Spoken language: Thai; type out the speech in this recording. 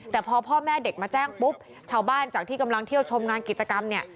แต่พอพ่อแม่เด็กมาแจ้งปุ๊บชาวบ้านจากที่กำลังเที่ยวชมงานกิจกรรมเนี่ย